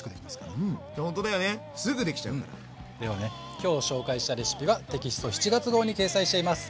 今日紹介したレシピはテキスト７月号に掲載しています。